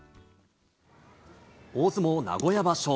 大相撲名古屋場所。